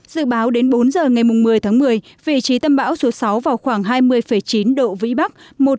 dự báo đến bốn giờ ngày một mươi tháng một mươi vị trí tâm bão số sáu vào khoảng hai mươi chín độ vĩ bắc